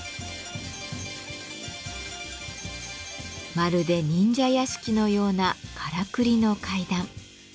まるで忍者屋敷のようなからくりの階段。